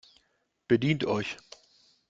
Bedient euch!